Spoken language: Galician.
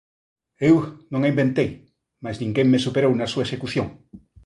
Eu non a inventei, mais ninguén me superou na súa execución.